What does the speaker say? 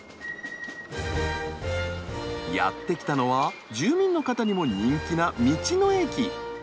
やって来たのは住民の方にも人気な